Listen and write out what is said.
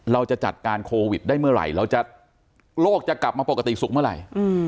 เราจะจัดการโควิดได้เมื่อไหร่เราจะโรคจะกลับมาปกติสุขเมื่อไหร่